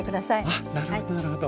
あっなるほどなるほど。